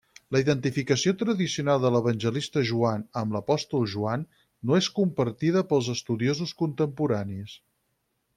La identificació tradicional de l'evangelista Joan amb l'apòstol Joan no és compartida pels estudiosos contemporanis.